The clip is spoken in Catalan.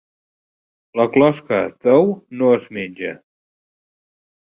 La closca d'ou no es menja.